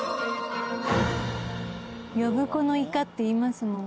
呼子のイカって言いますもん。